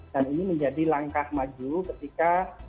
dan ini menjadi langkah maju ketika